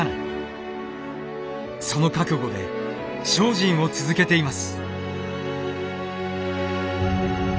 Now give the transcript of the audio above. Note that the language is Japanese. その覚悟で精進を続けています。